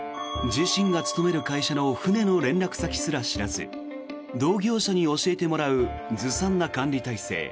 自身が勤める会社の船の連絡先すら知らず同業者に教えてもらうずさんな管理体制。